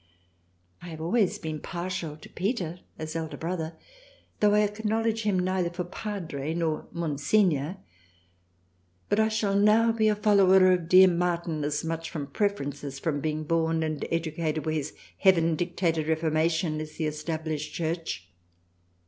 I have always been partial to Peter as elder Brother though I acknowledge him neither for Padre nor Monsignor, but I shall now be a follower of dear Martin as much from preference as from being born and educated where his Heaven dictated Reformation is the established Church.